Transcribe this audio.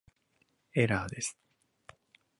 エラーです